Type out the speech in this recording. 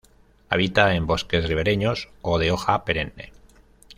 Habita en bosques ribereños o de hoja perenne.